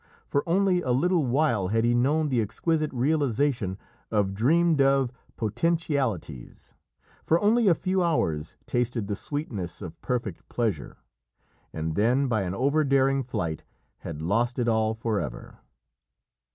For only a little while had he known the exquisite realisation of dreamed of potentialities, for only a few hours tasted the sweetness of perfect pleasure, and then, by an over daring flight, had lost it all for ever.